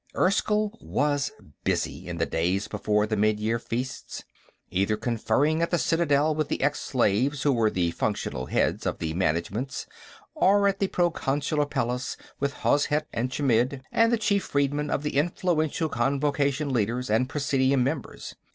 Erskyll was busy, in the days before the Midyear Feasts, either conferring at the Citadel with the ex slaves who were the functional heads of the Managements or at the Proconsular Palace with Hozhet and Chmidd and the chief freedmen of the influential Convocation leaders and Presidium members.